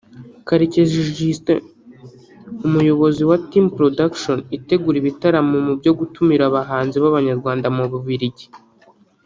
Karekezi Justin umuyobozi wa Team Production itegura ibitaramo mu byo gutumira abahanzi b’Abanyarwanda mu Bubiligi